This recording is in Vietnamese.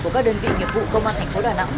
của các đơn vị nghiệp vụ công an thành phố đà nẵng